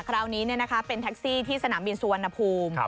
คราวนี้เป็นแท็กซี่ที่สนามบินสุวรรณภูมิ